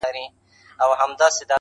• سیاه پوسي ده، ورځ نه ده شپه ده.